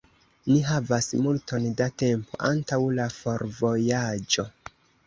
Ni havas multon da tempo antaŭ la forvojaĝo.